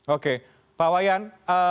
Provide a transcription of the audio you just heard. oke pak wayan